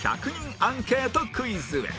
アンケートクイズへ